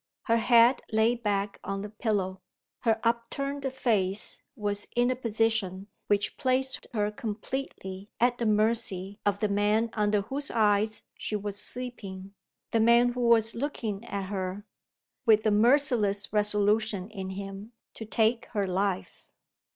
Her head lay back on the pillow. Her upturned face was in a position which placed her completely at the mercy of the man under whose eyes she was sleeping the man who was looking at her, with the merciless resolution in him to take her life.